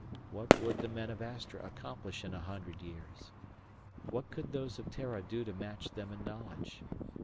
What would the men of Astra accomplish in a hundred years? What could those of Terra do to match them in knowledge?